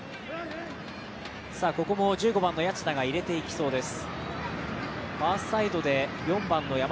ここも１５番の谷内田が入れていきそうです。